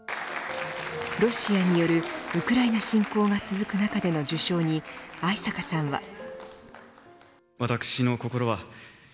ロシアによるウクライナ侵攻が続く中での受賞に逢坂さんは。